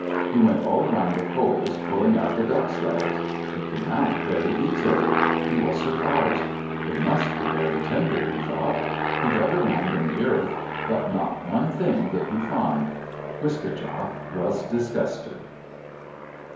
He went all around the coals, pulling out the ducks' legs. They came out very easily. He was surprised. "They must be very tender," he thought. He dug around in the earth, but not one thing did he find. Wiske djak was disgusted.